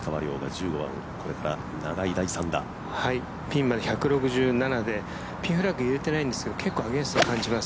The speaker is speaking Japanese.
ピンまで１６７でピンフラッグ揺れてないですが結構、アゲンストを感じます